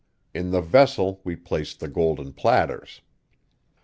In the vessel we placed the golden platters.